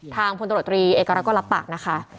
ทางพลตำรวจตรีเอกอารักษ์ก็รับปากนะคะ